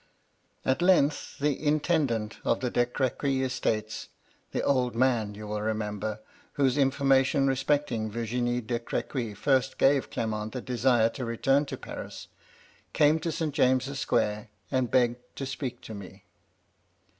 " At length the intendant of the De Cr(5quy estates, — the old man, you will remember, whose information respecting Virginie de. Cr^quy first gave Clement the desire to return to Paris, — came to St. James's Square, and begged to speak to me.